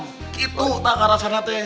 gidug tah karasana teh